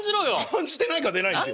感じてないから出ないんですよ。